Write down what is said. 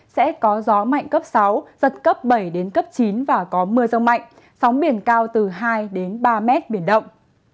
sẽ có gió mạnh cấp sáu giật cấp bảy đến cấp chín và có mưa rông mạnh sóng biển cao từ hai ba mét biển động